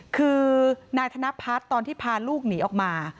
คือนายธนพัฒน์ตอนที่พาลูกหนีออกมา